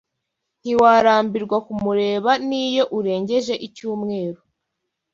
Ntiwarambirwa kumureba N’iyo urengeje icyumweru